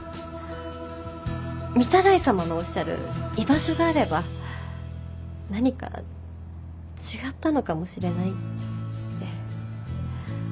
御手洗さまのおっしゃる居場所があれば何か違ったのかもしれないって。